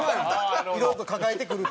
いろいろと抱えてくると。